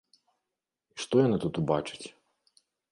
І што яны тут убачаць?